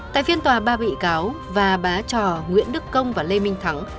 tại phiên tòa ba bị cáo và bá trò nguyễn đức công và lê minh thắng